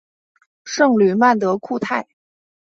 圣吕曼德库泰。